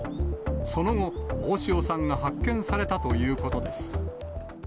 その後、大塩さんが発見されたということです。